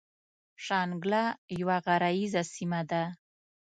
شانګله يوه غريزه سيمه ده ـ